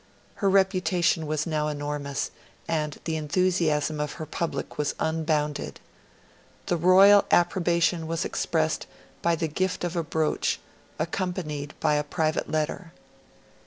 Her reputation was now enormous, and the enthusiasm of the public was unbounded. The royal approbation was expressed by the gift of a brooch, accompanied by a private letter.